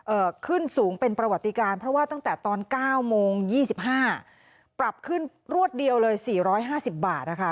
ขึ้นสูงเป็นประวัติการเพราะว่าตั้งแต่ตอนเก้าโมงยี่สิบห้าปรับขึ้นรวดเดียวเลยสี่ร้อยห้าสิบบาทนะคะ